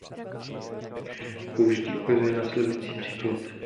Použití ukazuje následující příklad.